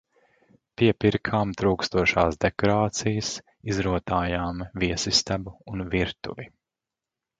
Piepirkām trūkstošās dekorācijas, izrotājām viesistabu un virtuvi.